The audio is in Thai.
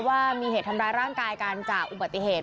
ว่ามีเหตุทำร้ายร่างกายกันจากอุบัติเหตุ